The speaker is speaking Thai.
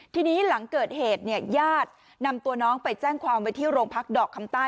ทีนี้หลังเกิดเหตุเนี่ยญาตินำตัวน้องไปแจ้งความไว้ที่โรงพักดอกคำใต้